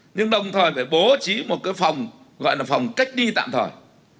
nhưng đồng thời phải bố trí một cái phòng gọi là phòng cách ly tạm thời